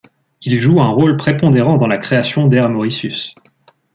Il joue un rôle prépondérant dans la création d’Air Mauritius.